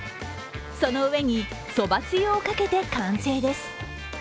その上にそばつゆをかけて完成です。